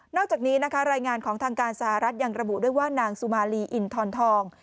อกจากนี้นะคะรายงานของทางการสหรัฐยังระบุด้วยว่านางสุมาลีอินทรทอง